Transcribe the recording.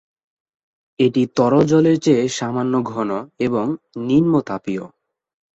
এটি তরল জলের চেয়ে সামান্য ঘন এবং নিম্নতাপীয়।